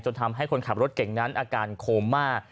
ทำให้คนขับรถเก่งนั้นอาการโคม่า